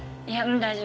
大丈夫